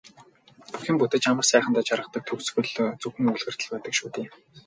Бүх юм бүтэж амар сайхандаа жаргадаг төгсгөл зөвхөн үлгэрт л байдаг шүү дээ.